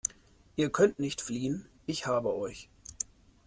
Ihr könnt nicht fliehen. Ich habe euch!